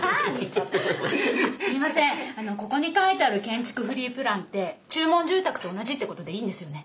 ここに書いてある「建築フリープラン」って注文住宅と同じってことでいいんですよね？